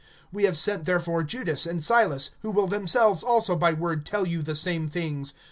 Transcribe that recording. (27)We have sent therefore Judas and Silas, who will themselves also by word tell you the same things.